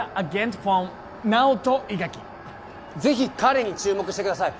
ぜひ彼に注目してください